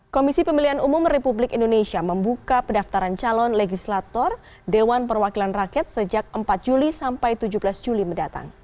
komisi pemilihan umum republik indonesia membuka pendaftaran calon legislator dewan perwakilan rakyat sejak empat juli sampai tujuh belas juli mendatang